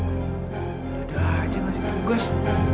udah aja masih tugas